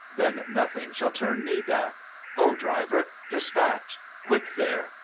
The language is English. ' Then nothing shall turn me back. Ho, driver 1 Despatch. Quick there !